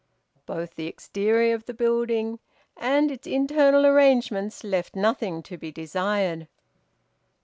Both the exterior of the building and its internal arrangements left nothing to be desired.